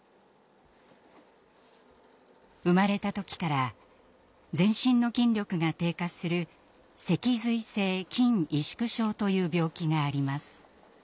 生まれた時から全身の筋力が低下する脊髄性筋萎縮症という病気があります。